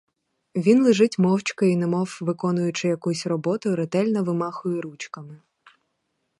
Він лежить мовчки й, немов виконуючи якусь роботу, ретельно вимахує ручками.